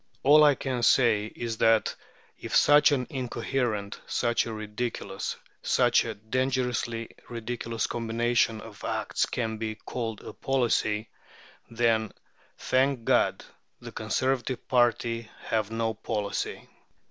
All I can say is that, if such an incoherent, such a ridiculous, such a dangerously ridiculous combination of acts can be called a policy, then, thank God, the Conservative party have no policy."